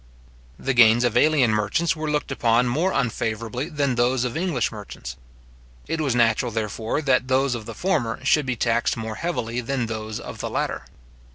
The gains of alien merchants were looked upon more unfavourably than those of English merchants. It was natural, therefore, that those of the former should be taxed more heavily than those of the latter.